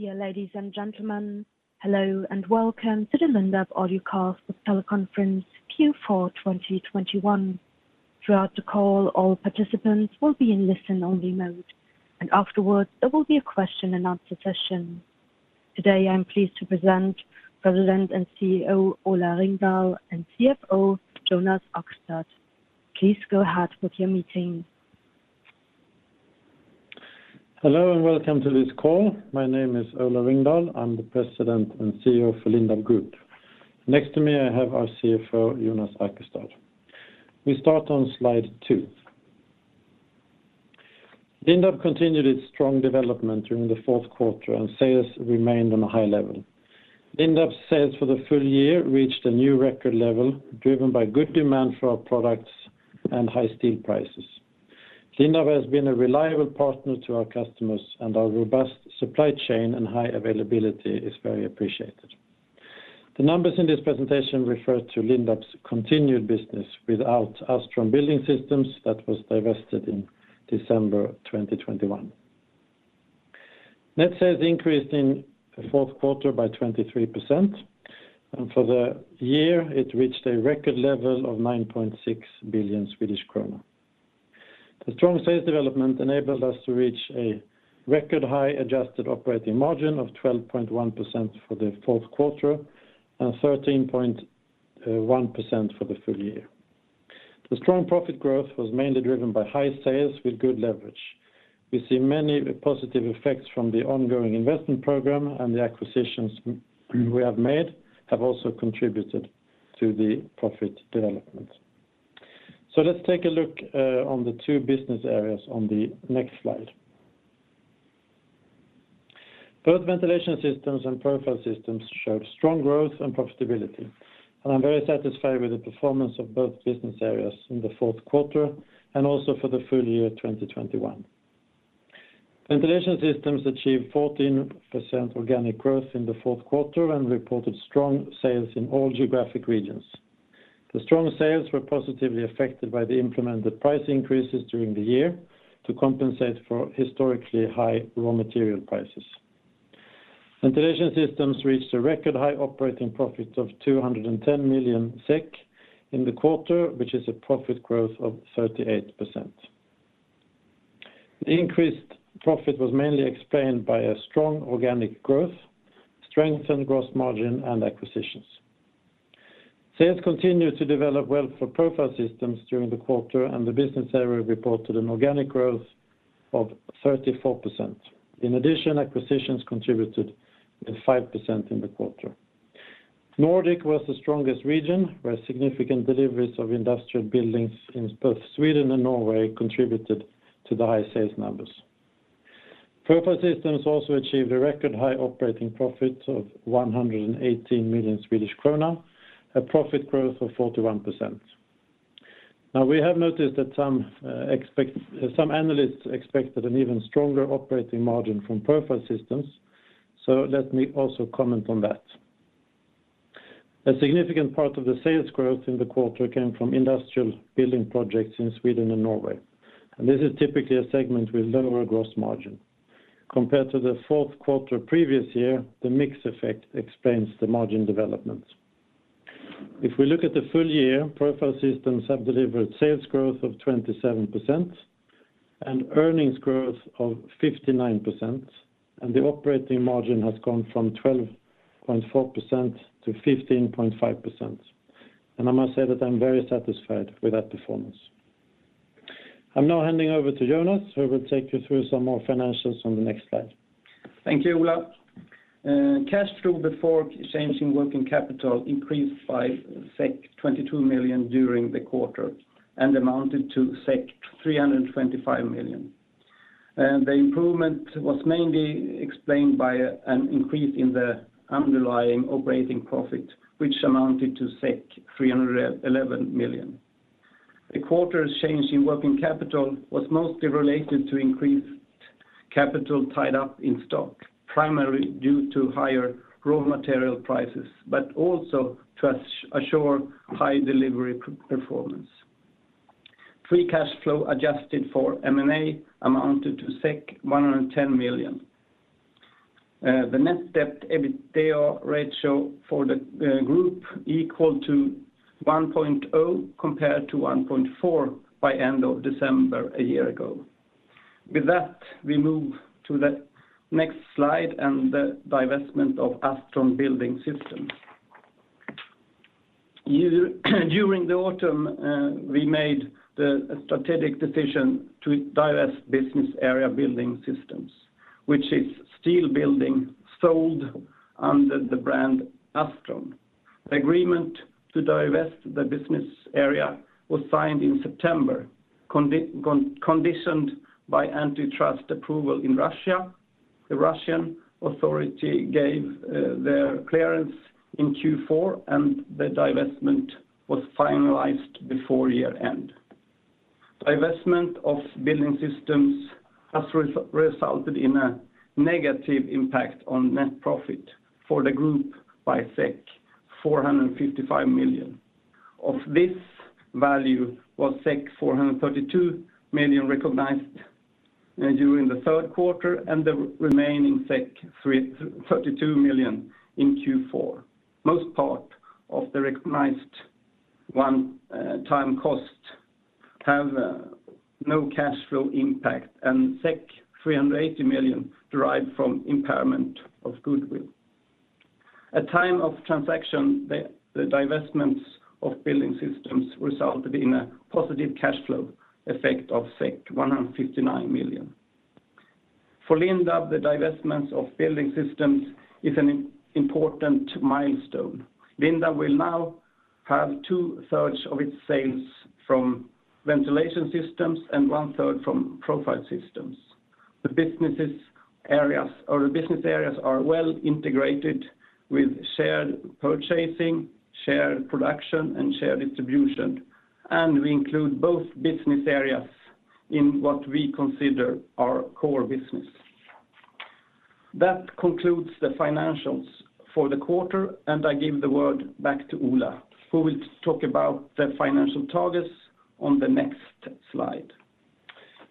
Dear ladies and gentlemen, hello, and welcome to the Lindab Audiocast of Teleconference Q4 2021. Throughout the call, all participants will be in listen only mode, and afterwards, there will be a question and answer session. Today, I'm pleased to present President and CEO, Ola Ringdahl, and CFO, Jonas Arkestad. Please go ahead with your meeting. Hello, and welcome to this call. My name is Ola Ringdahl. I'm the President and CEO for Lindab Group. Next to me, I have our CFO, Jonas Arkestad. We start on slide two. Lindab continued its strong development during the fourth quarter, and sales remained on a high level. Lindab sales for the full-year reached a new record level driven by good demand for our products and high steel prices. Lindab has been a reliable partner to our customers, and our robust supply chain and high availability is very appreciated. The numbers in this presentation refer to Lindab's continued business without Astron Building Systems that was divested in December 2021. Net sales increased in the fourth quarter by 23%, and for the year, it reached a record level of 9.6 billion Swedish kronor. The strong sales development enabled us to reach a record high adjusted operating margin of 12.1% for the fourth quarter and 13.1% for the full-year. The strong profit growth was mainly driven by high sales with good leverage. We see many positive effects from the ongoing investment program, and the acquisitions we have made have also contributed to the profit development. Let's take a look on the two business areas on the next slide. Both Ventilation Systems and Profile Systems showed strong growth and profitability, and I'm very satisfied with the performance of both business areas in the fourth quarter and also for the full-year 2021. Ventilation Systems achieved 14% organic growth in the fourth quarter and reported strong sales in all geographic regions. The strong sales were positively affected by the implemented price increases during the year to compensate for historically high raw material prices. Ventilation Systems reached a record high operating profit of 210 million SEK in the quarter, which is a profit growth of 38%. The increased profit was mainly explained by a strong organic growth, strengthened gross margin, and acquisitions. Sales continued to develop well for Profile Systems during the quarter, and the business area reported an organic growth of 34%. In addition, acquisitions contributed 5% in the quarter. Nordic was the strongest region, where significant deliveries of industrial buildings in both Sweden and Norway contributed to the high sales numbers. Profile Systems also achieved a record high operating profit of 118 million Swedish krona, a profit growth of 41%. Now, we have noticed that some analysts expected an even stronger operating margin from Profile Systems, so let me also comment on that. A significant part of the sales growth in the quarter came from industrial building projects in Sweden and Norway, and this is typically a segment with lower gross margin. Compared to the fourth quarter previous year, the mix effect explains the margin development. If we look at the full-year, Profile Systems have delivered sales growth of 27% and earnings growth of 59%, and the operating margin has gone from 12.4%-15.5%. I must say that I'm very satisfied with that performance. I'm now handing over to Jonas, who will take you through some more financials on the next slide. Thank you, Ola. Cash flow before change in working capital increased by 22 million during the quarter and amounted to 325 million. The improvement was mainly explained by an increase in the underlying operating profit, which amounted to 311 million. The quarter's change in working capital was mostly related to increased capital tied up in stock, primarily due to higher raw material prices, but also to assure high delivery performance. Free cash flow adjusted for M&A amounted to 110 million. The net debt EBITDA ratio for the group equal to 1.0 compared to 1.4 by end of December a year ago. With that, we move to the next slide and the divestment of Astron Building Systems. During the autumn, we made the strategic decision to divest business area Building Systems, which is steel building sold under the brand Astron. The agreement to divest the business area was signed in September, conditioned by antitrust approval in Russia. The Russian authority gave their clearance in Q4, and the divestment was finalized before year-end. Divestment of Building Systems has resulted in a negative impact on net profit for the group by 455 million. Of this value was 432 million recognized during the third quarter and the remaining 23 million in Q4. Most part of the recognized one-time cost have no cash flow impact, and 380 million derived from impairment of goodwill. At time of transaction, the divestments of Building Systems resulted in a positive cash flow effect of 159 million. For Lindab, the divestments of Building Systems is an important milestone. Lindab will now have 2/3 of its sales from Ventilation Systems and 1/3 from Profile Systems. The business areas are well integrated with shared purchasing, shared production, and shared distribution, and we include both business areas in what we consider our core business. That concludes the financials for the quarter, and I give the word back to Ola, who will talk about the financial targets on the next slide.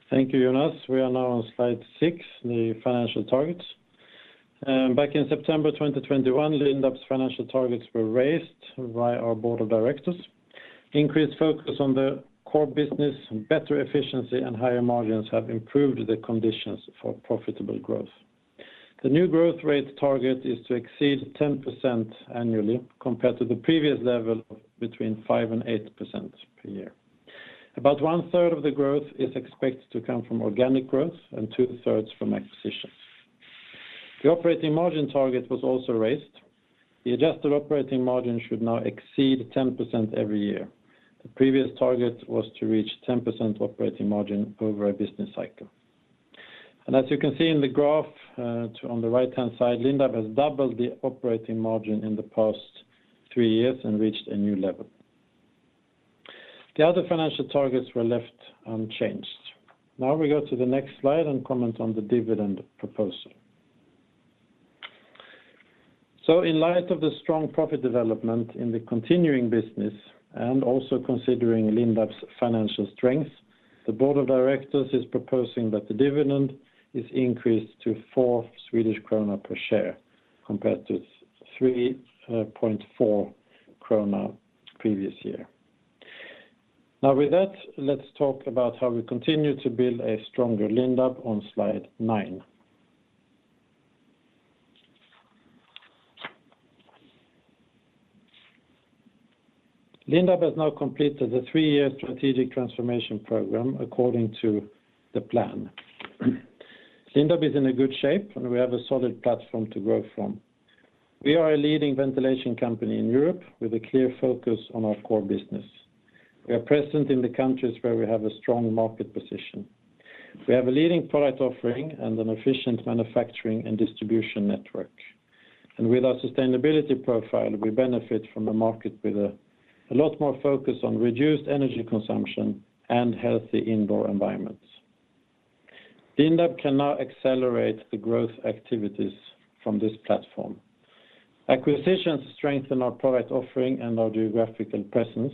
Thank you, Jonas. We are now on slide six, the financial targets. Back in September 2021, Lindab's financial targets were raised by our board of directors. Increased focus on the core business, better efficiency, and higher margins have improved the conditions for profitable growth. The new growth rate target is to exceed 10% annually compared to the previous level of between 5% and 8% per year. About 1/3 of the growth is expected to come from organic growth and 2/3 from acquisitions. The operating margin target was also raised. The adjusted operating margin should now exceed 10% every year. The previous target was to reach 10% operating margin over a business cycle. As you can see in the graph, the one on the right-hand side, Lindab has doubled the operating margin in the past three years and reached a new level. The other financial targets were left unchanged. Now we go to the next slide and comment on the dividend proposal. In light of the strong profit development in the continuing business and also considering Lindab's financial strength, the board of directors is proposing that the dividend is increased to 4 Swedish krona per share compared to 3.4 krona previous year. Now, with that, let's talk about how we continue to build a stronger Lindab on slide nine. Lindab has now completed the three-year strategic transformation program according to the plan. Lindab is in a good shape, and we have a solid platform to grow from. We are a leading ventilation company in Europe with a clear focus on our core business. We are present in the countries where we have a strong market position. We have a leading product offering and an efficient manufacturing and distribution network. With our sustainability profile, we benefit from a market with a lot more focus on reduced energy consumption and healthy indoor environments. Lindab can now accelerate the growth activities from this platform. Acquisitions strengthen our product offering and our geographical presence,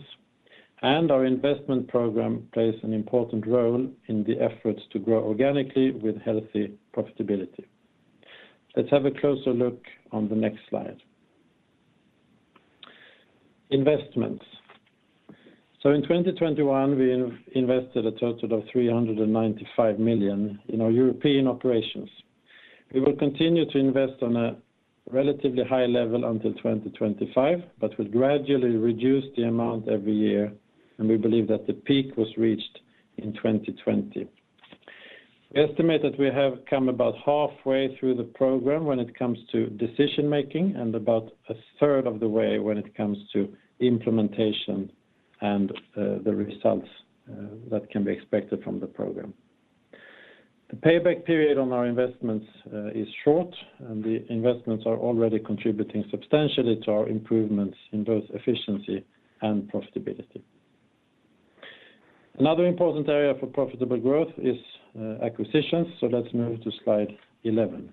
and our investment program plays an important role in the efforts to grow organically with healthy profitability. Let's have a closer look on the next slide. Investments. In 2021, we invested a total of 395 million in our European operations. We will continue to invest on a relatively high level until 2025, but we'll gradually reduce the amount every year, and we believe that the peak was reached in 2020. We estimate that we have come about halfway through the program when it comes to decision-making and about a third of the way when it comes to implementation and the results that can be expected from the program. The payback period on our investments is short, and the investments are already contributing substantially to our improvements in both efficiency and profitability. Another important area for profitable growth is acquisitions, so let's move to slide 11.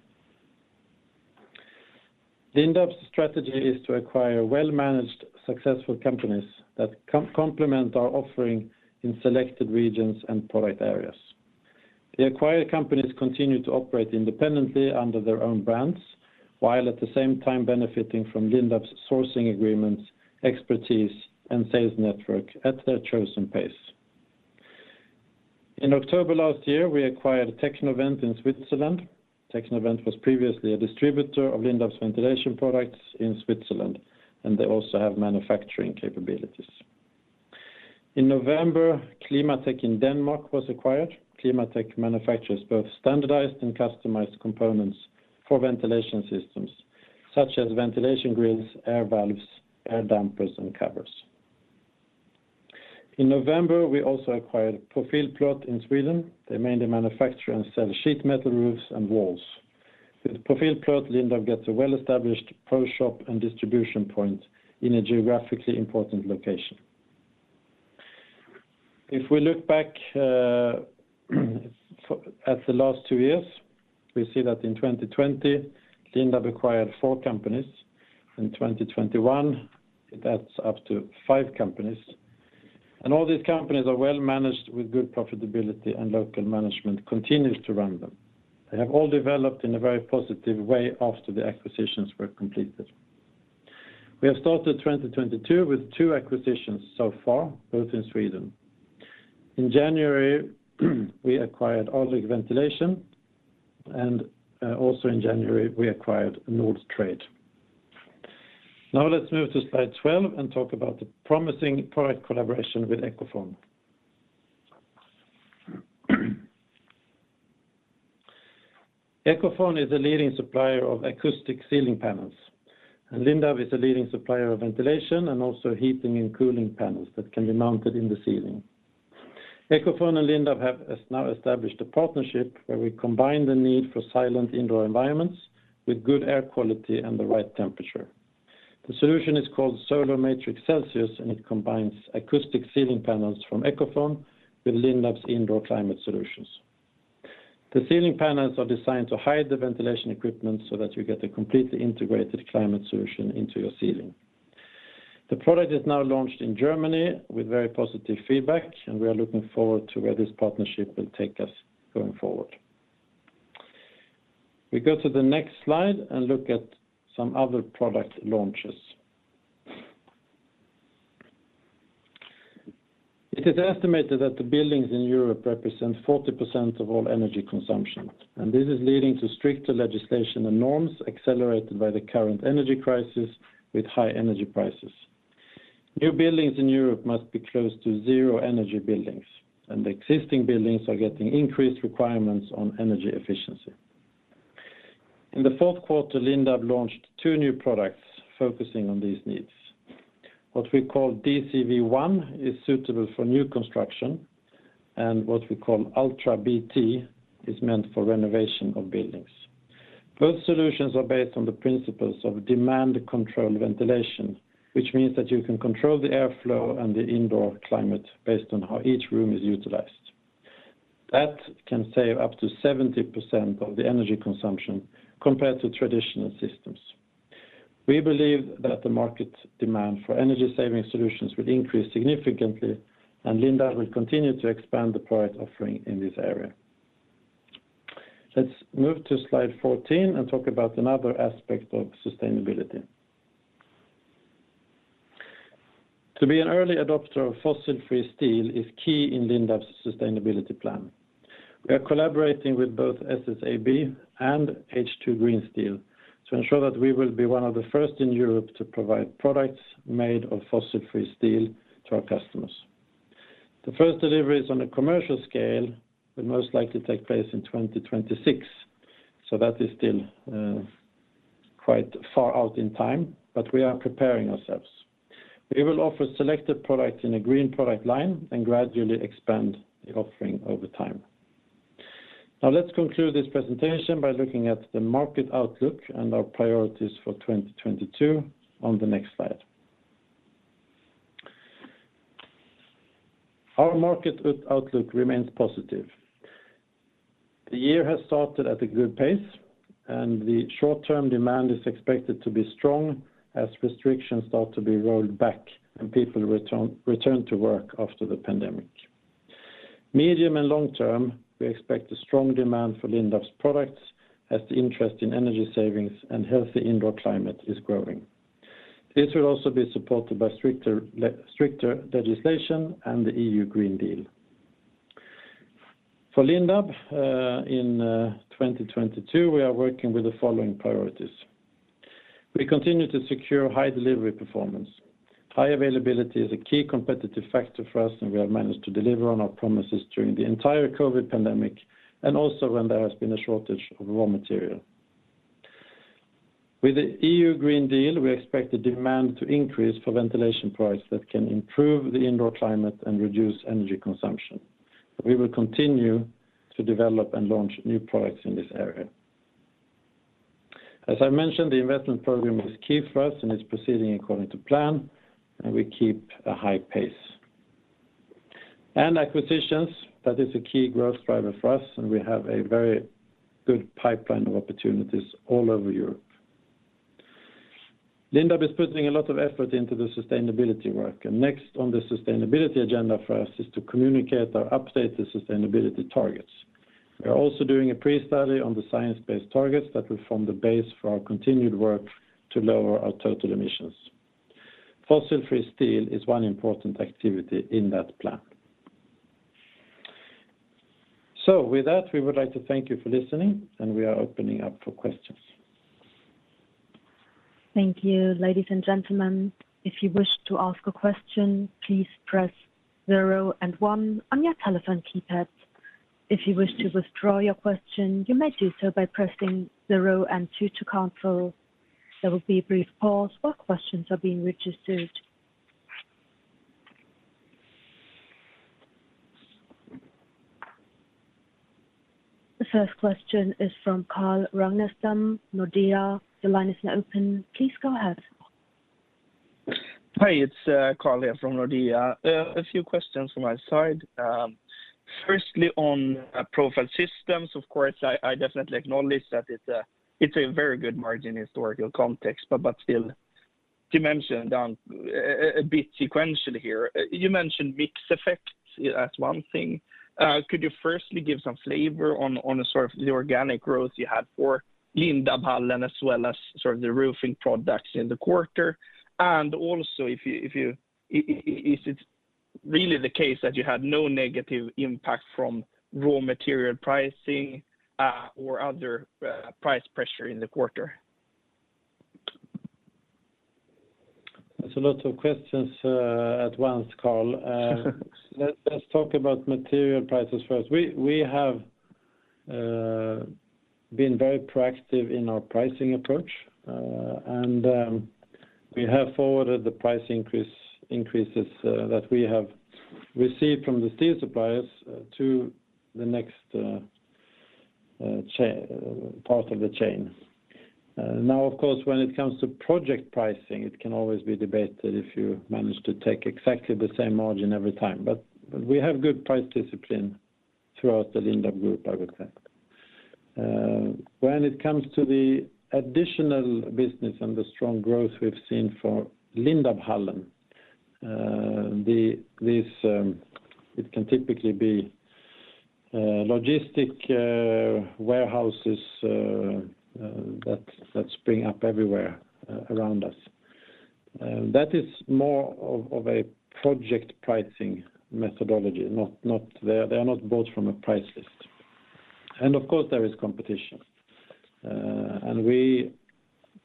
Lindab's strategy is to acquire well-managed, successful companies that complement our offering in selected regions and product areas. The acquired companies continue to operate independently under their own brands, while at the same time benefiting from Lindab's sourcing agreements, expertise, and sales network at their chosen pace. In October last year, we acquired Tecnovent in Switzerland. Tecnovent was previously a distributor of Lindab's ventilation products in Switzerland, and they also have manufacturing capabilities. In November, Klimatek in Denmark was acquired. Klimatek manufactures both standardized and customized components for ventilation systems, such as ventilation grilles, air valves, air dampers, and covers. In November, we also acquired Profilplåt in Sweden. They mainly manufacture and sell sheet metal roofs and walls. With Profilplåt, Lindab gets a well-established pro shop and distribution point in a geographically important location. If we look back at the last two years, we see that in 2020, Lindab acquired four companies. In 2021, that's up to five companies. All these companies are well-managed with good profitability, and local management continues to run them. They have all developed in a very positive way after the acquisitions were completed. We have started 2022 with two acquisitions so far, both in Sweden. In January, we acquired Alig Ventilation, and also in January, we acquired Nord Trade. Now let's move to slide 12 and talk about the promising product collaboration with Ecophon. Ecophon is a leading supplier of acoustic ceiling panels, and Lindab is a leading supplier of ventilation and also heating and cooling panels that can be mounted in the ceiling. Ecophon and Lindab have now established a partnership where we combine the need for silent indoor environments with good air quality and the right temperature. The solution is called Ecophon Solo Matrix Celsius, and it combines acoustic ceiling panels from Ecophon with Lindab's indoor climate solutions. The ceiling panels are designed to hide the ventilation equipment so that you get a completely integrated climate solution into your ceiling. The product is now launched in Germany with very positive feedback, and we are looking forward to where this partnership will take us going forward. We go to the next slide and look at some other product launches. It is estimated that the buildings in Europe represent 40% of all energy consumption, and this is leading to stricter legislation and norms accelerated by the current energy crisis with high energy prices. New buildings in Europe must be close to zero energy buildings, and existing buildings are getting increased requirements on energy efficiency. In the fourth quarter, Lindab launched two new products focusing on these needs. What we call DCV One is suitable for new construction, and what we call Ultra BT is meant for renovation of buildings. Both solutions are based on the principles of demand control ventilation, which means that you can control the airflow and the indoor climate based on how each room is utilized. That can save up to 70% of the energy consumption compared to traditional systems. We believe that the market demand for energy-saving solutions will increase significantly, and Lindab will continue to expand the product offering in this area. Let's move to slide 14 and talk about another aspect of sustainability. To be an early adopter of fossil-free steel is key in Lindab's sustainability plan. We are collaborating with both SSAB and H2 Green Steel to ensure that we will be one of the first in Europe to provide products made of fossil-free steel to our customers. The first deliveries on a commercial scale will most likely take place in 2026, so that is still quite far out in time, but we are preparing ourselves. We will offer selected products in a green product line and gradually expand the offering over time. Now let's conclude this presentation by looking at the market outlook and our priorities for 2022 on the next slide. Our market outlook remains positive. The year has started at a good pace, and the short-term demand is expected to be strong as restrictions start to be rolled back and people return to work after the pandemic. Medium and long-term, we expect a strong demand for Lindab's products as the interest in energy savings and healthy indoor climate is growing. This will also be supported by stricter legislation and the EU Green Deal. For Lindab, in 2022, we are working with the following priorities. We continue to secure high delivery performance. High availability is a key competitive factor for us, and we have managed to deliver on our promises during the entire COVID pandemic and also when there has been a shortage of raw material. With the EU Green Deal, we expect the demand to increase for ventilation products that can improve the indoor climate and reduce energy consumption. We will continue to develop and launch new products in this area. As I mentioned, the investment program is key for us and is proceeding according to plan, and we keep a high pace. Acquisitions, that is a key growth driver for us, and we have a very good pipeline of opportunities all over Europe. Lindab is putting a lot of effort into the sustainability work, and next on the sustainability agenda for us is to communicate our updated sustainability targets. We are also doing a pre-study on the science-based targets that will form the base for our continued work to lower our total emissions. Fossil-free steel is one important activity in that plan. With that, we would like to thank you for listening, and we are opening up for questions. Thank you. Ladies and gentlemen, if you wish to ask a question, please press zero and one on your telephone keypad. If you wish to withdraw your question, you may do so by pressing zero and two to phone. There will be a recall of questions being registered. And the first question is from Carl Ragnerstam, Nordea. The line is now open. Please go ahead. Hi, it's Carl Ragnerstam here from Nordea. A few questions from my side. Firstly, on Profile Systems, of course, I definitely acknowledge that it's a very good margin historical context, but still, you mentioned down a bit sequentially here. You mentioned mix effects as one thing. Could you firstly give some flavor on the sort of the organic growth you had for Lindab Hallen as well as sort of the roofing products in the quarter? Also, if you... Is it really the case that you had no negative impact from raw material pricing or other price pressure in the quarter? That's a lot of questions at once, Carl. Let's talk about material prices first. We have been very proactive in our pricing approach, and we have forwarded the price increases that we have received from the steel suppliers to the next part of the chain. Now, of course, when it comes to project pricing, it can always be debated if you manage to take exactly the same margin every time. We have good price discipline throughout the Lindab Group, I would say. When it comes to the additional business and the strong growth we've seen for Lindab Hallen, it can typically be logistic warehouses that spring up everywhere around us. That is more of a project pricing methodology. They are not bought from a price list. Of course there is competition. We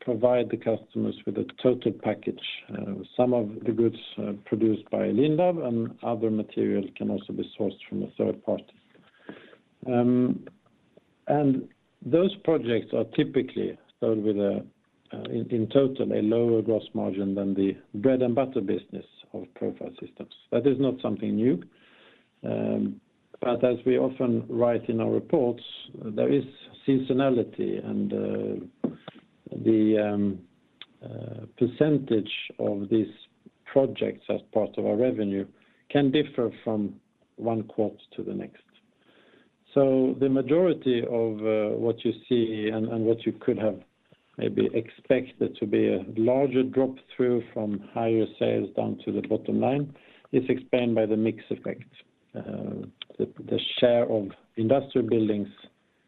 provide the customers with a total package, with some of the goods produced by Lindab, and other material can also be sourced from a third party. Those projects are typically sold with, in total, a lower gross margin than the bread and butter business of Profile Systems. That is not something new. But as we often write in our reports, there is seasonality, and the percentage of these projects as part of our revenue can differ from one quarter to the next. The majority of what you see and what you could have maybe expected to be a larger drop through from higher sales down to the bottom line is explained by the mix effect. The share of industrial buildings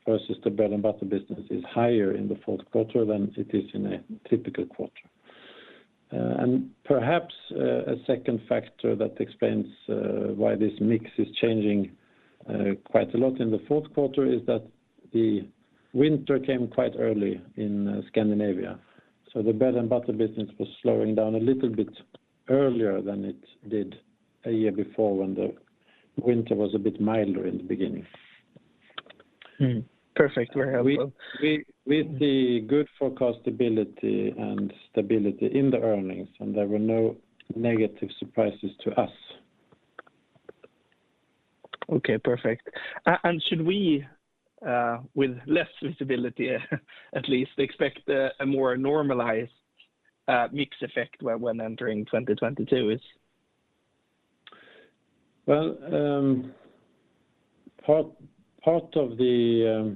versus the bread and butter business is higher in the fourth quarter than it is in a typical quarter. Perhaps a second factor that explains why this mix is changing quite a lot in the fourth quarter is that the winter came quite early in Scandinavia, so the bread and butter business was slowing down a little bit earlier than it did a year before when the winter was a bit milder in the beginning. Perfect. Very helpful. With the good forecast ability and stability in the earnings, and there were no negative surprises to us. Okay. Perfect. Should we, with less visibility, at least, expect a more normalized mix effect when entering 2022? Well, part of the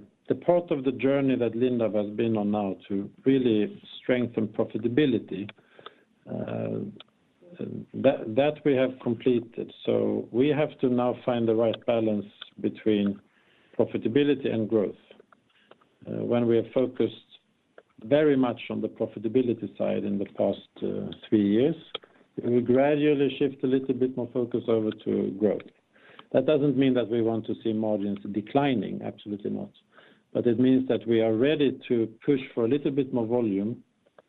journey that Lindab has been on now to really strengthen profitability, that we have completed. We have to now find the right balance between profitability and growth. When we have focused very much on the profitability side in the past three years, we gradually shift a little bit more focus over to growth. That doesn't mean that we want to see margins declining, absolutely not. It means that we are ready to push for a little bit more volume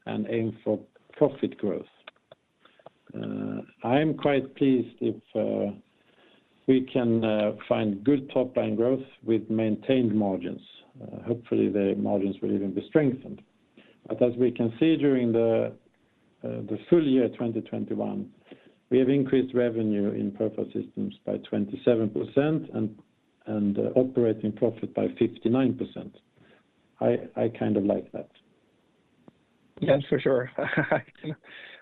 and aim for profit growth. I'm quite pleased if we can find good top line growth with maintained margins. Hopefully, the margins will even be strengthened. As we can see during the full year 2021, we have increased revenue in Profile Systems by 27% and operating profit by 59%. I kind of like that. That's for sure.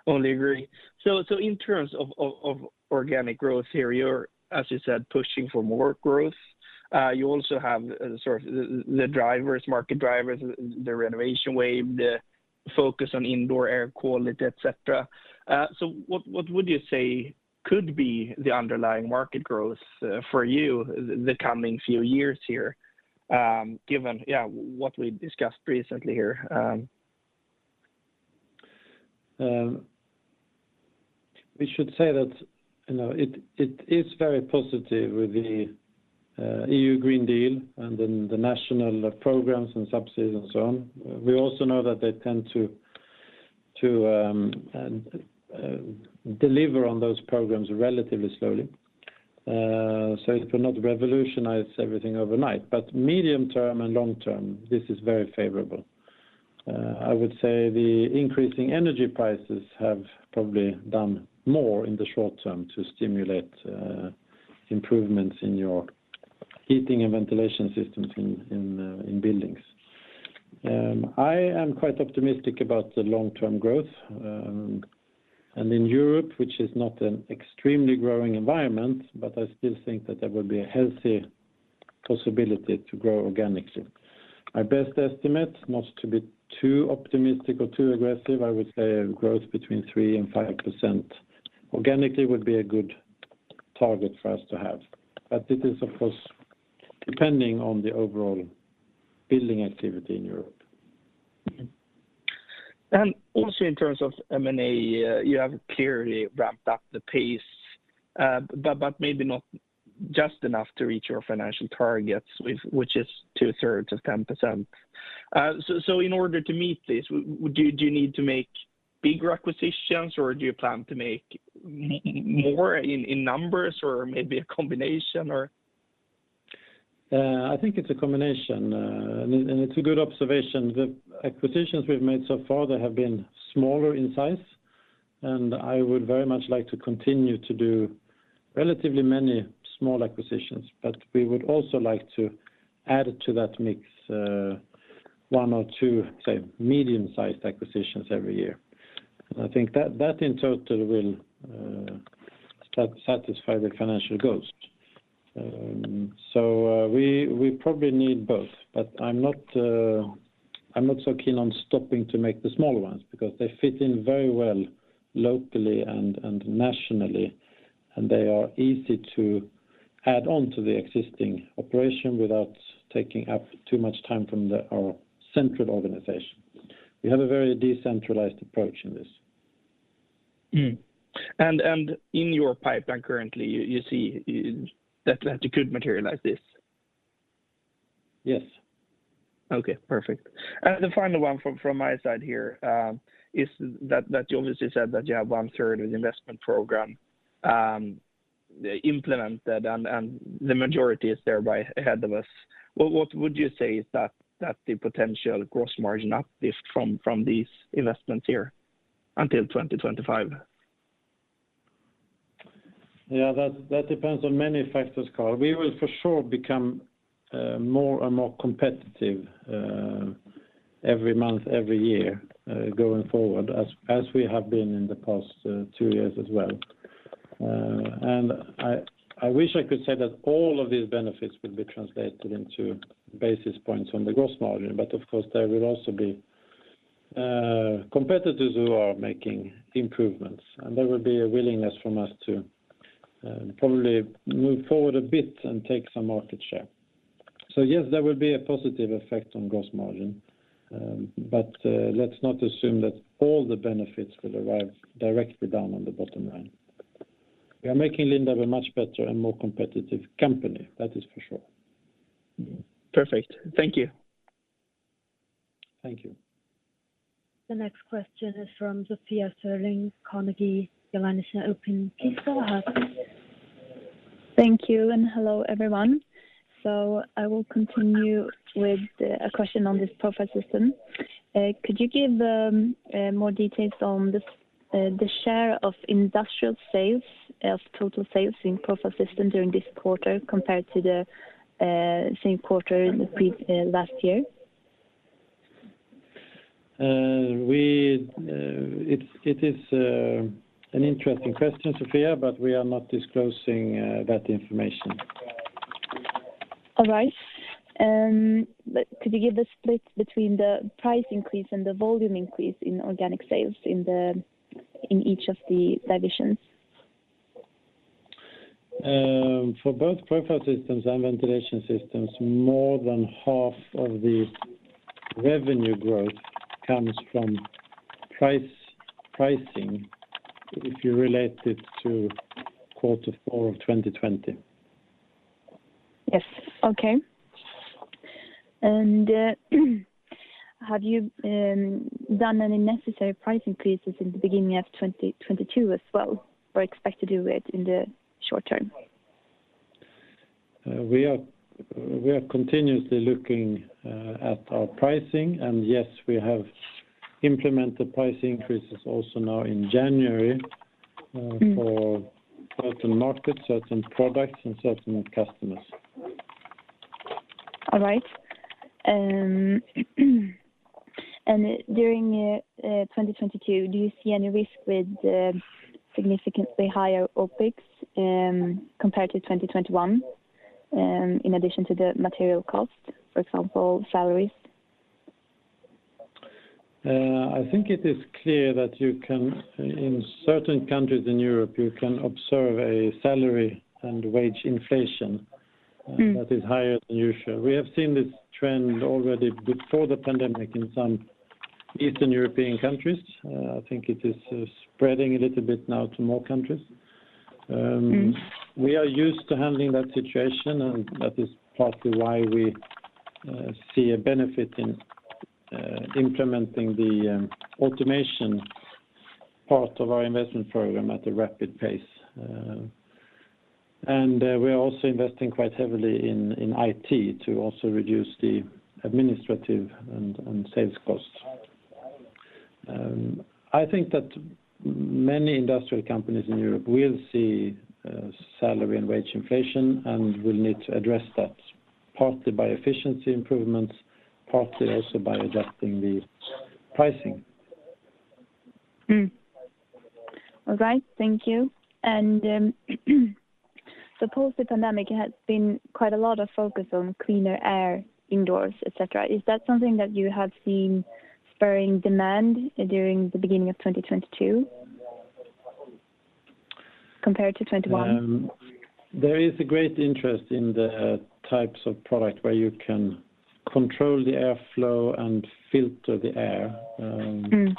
I can only agree. In terms of organic growth here, you're, as you said, pushing for more growth. You also have sort of the drivers, market drivers, the renovation wave, the focus on indoor air quality, et cetera. What would you say could be the underlying market growth for you the coming few years here, given yeah, what we discussed recently here? We should say that, you know, it is very positive with the European Green Deal and then the national programs and subsidies and so on. We also know that they tend to deliver on those programs relatively slowly. It will not revolutionize everything overnight, but medium term and long term, this is very favorable. I would say the increasing energy prices have probably done more in the short term to stimulate improvements in your heating and ventilation systems in buildings. I am quite optimistic about the long-term growth and in Europe, which is not an extremely growing environment, but I still think that there will be a healthy possibility to grow organically. My best estimate, not to be too optimistic or too aggressive, I would say a growth between 3%-5% organically would be a good target for us to have. It is, of course, depending on the overall building activity in Europe. Also in terms of M&A, you have clearly ramped up the pace, but maybe not just enough to reach your financial targets with which is 2/3 10%. So in order to meet this, would you, do you need to make big acquisitions, or do you plan to make more in numbers or maybe a combination or? I think it's a combination, and it's a good observation. The acquisitions we've made so far, they have been smaller in size, and I would very much like to continue to do relatively many small acquisitions. We would also like to add to that mix, one or two, say, medium-sized acquisitions every year. I think that in total will satisfy the financial goals. We probably need both, but I'm not so keen on stopping to make the smaller ones because they fit in very well locally and nationally, and they are easy to add on to the existing operation without taking up too much time from our central organization. We have a very decentralized approach in this. In your pipeline currently, you see that you could materialize this? Yes. Okay, perfect. The final one from my side here is that you obviously said that you have 1/3 of the investment program implemented and the majority is thereby ahead of us. What would you say is that the potential gross margin uplift from these investments here until 2025? Yeah, that depends on many factors, Carl. We will for sure become more and more competitive every month, every year going forward as we have been in the past two years as well. I wish I could say that all of these benefits will be translated into basis points on the gross margin. Of course, there will also be competitors who are making improvements, and there will be a willingness from us to probably move forward a bit and take some market share. Yes, there will be a positive effect on gross margin, but let's not assume that all the benefits will arrive directly down on the bottom line. We are making Lindab a much better and more competitive company, that is for sure. Perfect. Thank you. Thank you. The next question is from Sofia Sörling, Carnegie. Your line is now open. Please go ahead. Thank you, and hello, everyone. I will continue with a question on this Profile Systems. Could you give more details on the share of industrial sales as total sales in Profile Systems during this quarter compared to the same quarter in the peak last year? It is an interesting question, Sofia, but we are not disclosing that information. All right. Could you give the split between the price increase and the volume increase in organic sales in each of the divisions? For both Profile Systems and Ventilation Systems, more than half of the revenue growth comes from pricing if you relate it to quarter four of 2020. Yes, okay. Have you done any necessary price increases in the beginning of 2022 as well, or expect to do it in the short-term? We are continuously looking at our pricing. Yes, we have implemented price increases also now in January. Mm For certain markets, certain products, and certain customers. All right. During 2022, do you see any risk with significantly higher OpEx, compared to 2021, in addition to the material cost, for example, salaries? I think it is clear that you can, in certain countries in Europe, you can observe a salary and wage inflation. Mm.... that is higher than usual. We have seen this trend already before the pandemic in some Eastern European countries. I think it is spreading a little bit now to more countries. Mm. We are used to handling that situation, and that is partly why we see a benefit in implementing the automation part of our investment program at a rapid pace. We are also investing quite heavily in IT to also reduce the administrative and sales costs. I think that many industrial companies in Europe will see salary and wage inflation, and we'll need to address that partly by efficiency improvements, partly also by adjusting the pricing. All right. Thank you. I suppose the pandemic has been quite a lot of focus on cleaner air indoors, et cetera. Is that something that you have seen spurring demand during the beginning of 2022 compared to 2021? There is a great interest in the types of product where you can control the airflow and filter the air. Mm.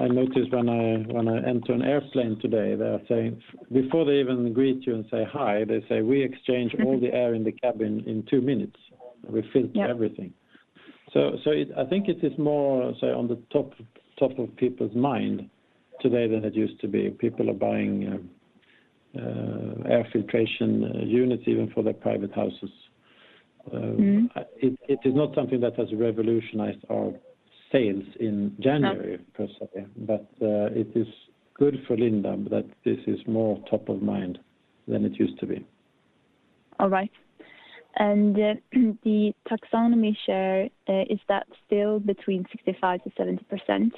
I noticed when I enter an airplane today, they are saying before they even greet you and say hi, they say, "We exchange all the air in the cabin in two minutes. We filter everything. Yeah. I think it is more, say, on the top of people's mind today than it used to be. People are buying air filtration units even for their private houses. Mm-hmm. It is not something that has revolutionized our sales in January per se. It is good for Lindab that this is more top of mind than it used to be. All right. The Taxonomy share is that still between 65%-70%,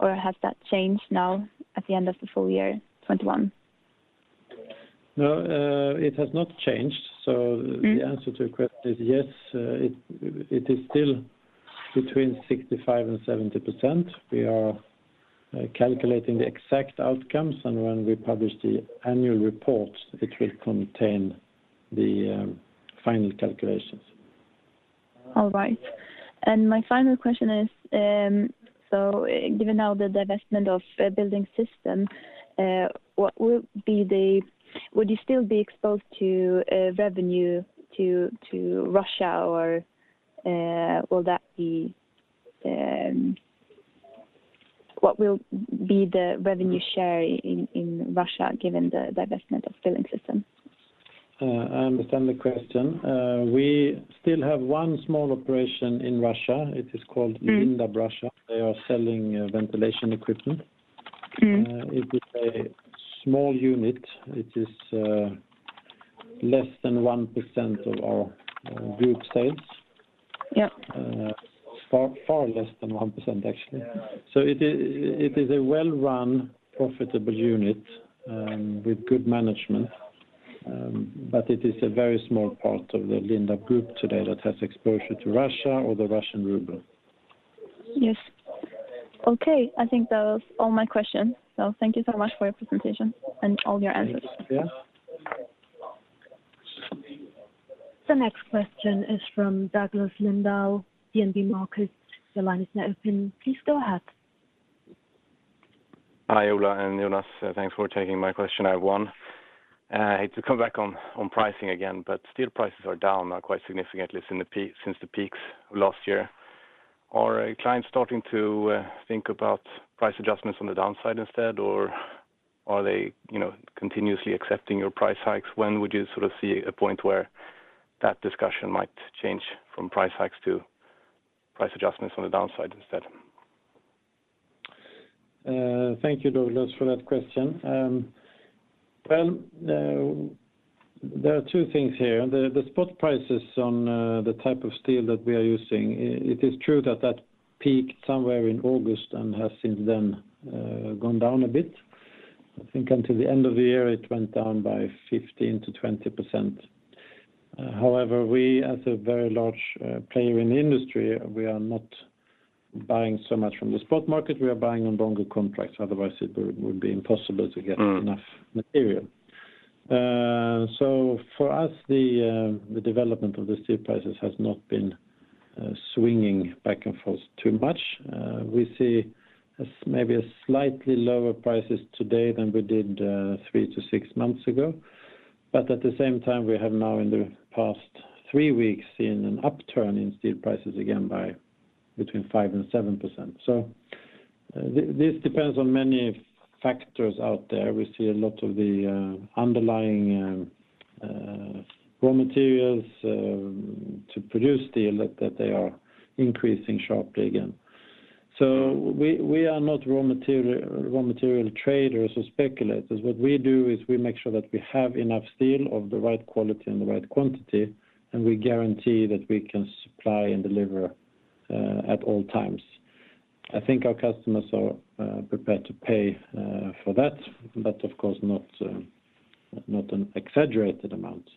or has that changed now at the end of the full-year 2021? No, it has not changed. The answer to your question is yes, it is still between 65% and 70%. We are calculating the exact outcomes, and when we publish the annual reports, it will contain the final calculations. All right. My final question is, given now the divestment of Building Systems, would you still be exposed to revenue to Russia or what will be the revenue share in Russia given the divestment of Building Systems? I understand the question. We still have one small operation in Russia. It is called Lindab Russia. They are selling ventilation equipment. Mm. It is a small unit. It is less than 1% of our group sales. Yeah. Far less than 1% actually. It is a well-run profitable unit with good management. It is a very small part of the Lindab Group today that has exposure to Russia or the Russian ruble. Yes. Okay, I think that was all my questions. Thank you so much for your presentation and all your answers. Yeah. The next question is from Douglas Lindahl, DNB Markets. Your line is now open. Please go ahead. Hi, Ola and Jonas. Thanks for taking my question. I have one. To come back on pricing again, but steel prices are down quite significantly since the peaks last year. Are clients starting to think about price adjustments on the downside instead, or are they, you know, continuously accepting your price hikes? When would you sort of see a point where that discussion might change from price hikes to price adjustments on the downside instead? Thank you, Douglas, for that question. Well, there are two things here. The spot prices on the type of steel that we are using, it is true that that peaked somewhere in August and has since then gone down a bit. I think until the end of the year it went down by 15%-20%. However, we, as a very large player in the industry, are not buying so much from the spot market. We are buying on longer contracts, otherwise it would be impossible to get enough material. For us the development of the steel prices has not been swinging back and forth too much. We see as maybe a slightly lower prices today than we did three to six months ago. At the same time, we have now in the past three weeks seen an upturn in steel prices again by 5%-7%. This depends on many factors out there. We see a lot of the underlying raw materials to produce steel that they are increasing sharply again. We are not raw material traders or speculators. What we do is we make sure that we have enough steel of the right quality and the right quantity, and we guarantee that we can supply and deliver at all times. I think our customers are prepared to pay for that, but of course not an exaggerated amount.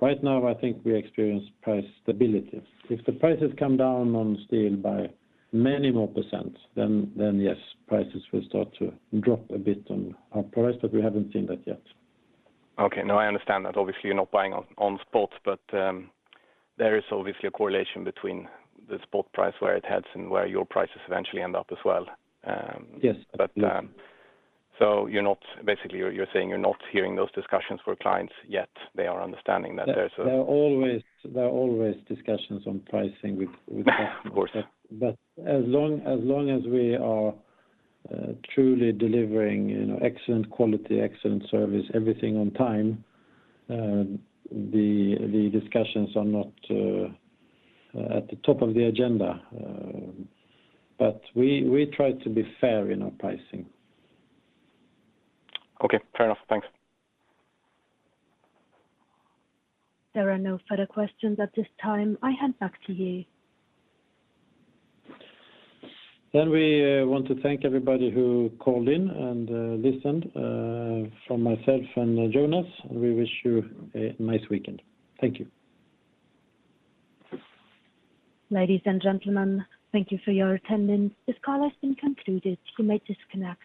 Right now, I think we experience price stability. If the prices come down on steel by many more percent, then yes, prices will start to drop a bit on our price, but we haven't seen that yet. Okay. No, I understand that obviously you're not buying on spot, but there is obviously a correlation between the spot price where it heads and where your prices eventually end up as well. Yes. Basically you're saying you're not hearing those discussions for clients yet. They are understanding that there's a There are always discussions on pricing with customers. Of course. As long as we are truly delivering, you know, excellent quality, excellent service, everything on time, the discussions are not at the top of the agenda. We try to be fair in our pricing. Okay. Fair enough. Thanks. There are no further questions at this time. I hand back to you. We want to thank everybody who called in and listened from myself and Jonas, and we wish you a nice weekend. Thank you. Ladies and gentlemen, thank you for your attendance. This call has been concluded. You may disconnect.